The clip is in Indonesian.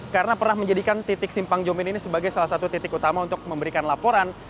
karena pernah menjadikan titik simpang jomin ini sebagai salah satu titik utama untuk memberikan laporan